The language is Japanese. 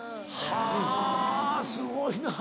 はぁすごいな。